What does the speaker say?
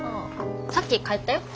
さっき帰ったよ。